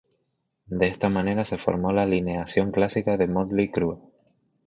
De esta manera se formó la alineación clásica de Mötley Crüe.